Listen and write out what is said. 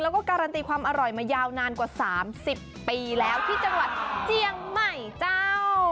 แล้วก็การันตีความอร่อยมายาวนานกว่า๓๐ปีแล้วที่จังหวัดเจียงใหม่เจ้า